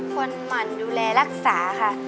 คนหมั่นดูแลรักษาค่ะ